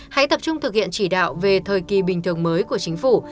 hãy tập trung thực hiện chỉ đạo về thời kỳ bình thường mới của chính phủ